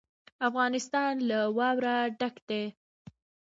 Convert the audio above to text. افغانستان له واوره ډک دی.